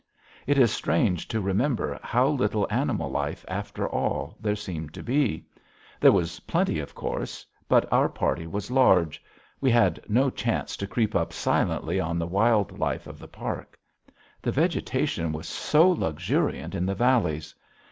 It is strange to remember how little animal life, after all, there seemed to be. There was plenty, of course. But our party was large. We had no chance to creep up silently on the wild life of the park. The vegetation was so luxuriant in the valleys.